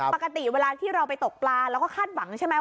ปกติเวลาที่เราไปตกปลาเราก็คาดหวังใช่ไหม